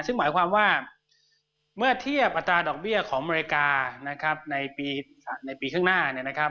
ซึ่งหมายความว่าเมื่อเทียบอัตราดอกเบี้ยของอเมริกานะครับในปีข้างหน้าเนี่ยนะครับ